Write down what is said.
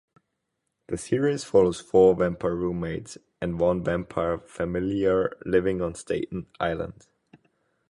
The series follows four vampire roommates and one vampire familiar living on Staten Island.